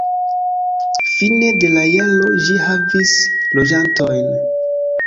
Fine de la jaro ĝi havis loĝantojn.